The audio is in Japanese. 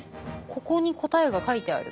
ここに答えが描いてある？